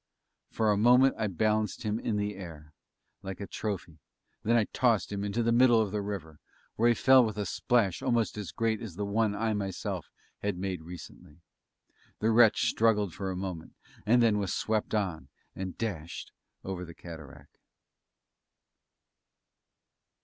For a moment I balanced him in the air, like a trophy; then I tossed him into the middle of the river, where he fell with a splash almost as great as the one I myself had made recently. The wretch struggled for a moment, and then was swept on and dashed over the cataract.